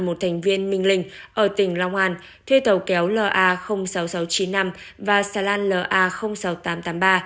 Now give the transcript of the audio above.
một thành viên minh linh ở tỉnh long an thuê tàu kéo la sáu nghìn sáu trăm chín mươi năm và xà lan la sáu nghìn tám trăm tám mươi ba